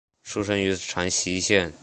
出身于长崎县。